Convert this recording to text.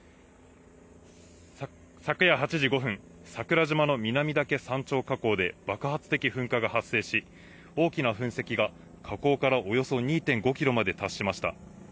昨夜８時５分、桜島の南岳山頂火口で爆発的噴火が発生し、大きな噴石が火口からおよそ２．５キロまで達しました。